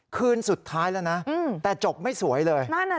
คืนสุดท้ายแล้วนะแต่จบไม่สวยเลย